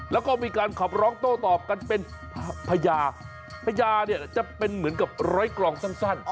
แล้วก็มีการขับร้องโต้ตอบกันเป็นพญาพญาเนี่ยจะเป็นเหมือนกับร้อยกลองสั้น